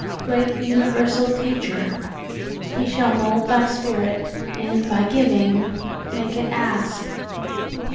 Great universal Teacher! he shall mould Thy spirit, and by giving make it ask.